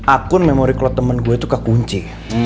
akun memory cloud temen gue tuh kekunci